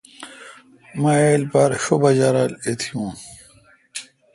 مہ ایلپار شو بجا رل اتییون